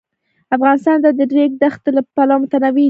افغانستان د د ریګ دښتې له پلوه متنوع دی.